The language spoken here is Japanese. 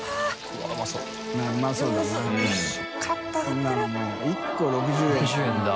こんなのもう１個６０円。